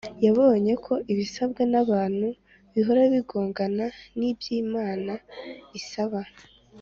, yabonye ko ibisabwa n’abantu bihora bigongana n’iby’Imana isaba.